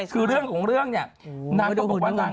คือเรื่องของเรื่องเนี่ย